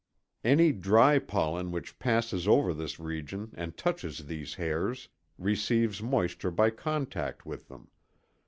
Any dry pollen which passes over this region and touches these hairs receives moisture by contact with them.